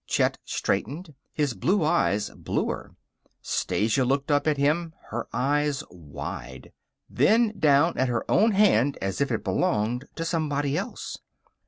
Chet straightened, his blue eyes bluer. Stasia looked up at him, her eyes wide. Then down at her own hand, as if it belonged to somebody else.